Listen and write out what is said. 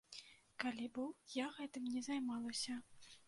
Калі быў, я гэтым не займалася.